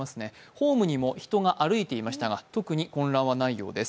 ホームにも人が歩いていましたが、特に混乱はないようです。